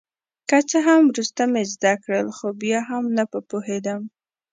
که څه هم وروسته مې زده کړل خو بیا هم نه په پوهېدم.